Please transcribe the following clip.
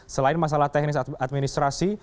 selain masalah teknis administrasi